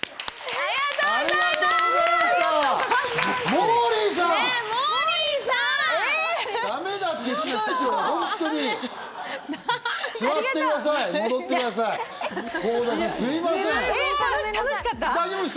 ありがとうございます！